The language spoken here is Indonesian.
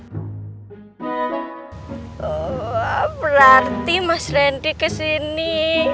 ya jadi dia sudah minta mas randy ke sini